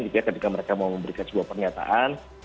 jika mereka mau memberikan sebuah pernyataan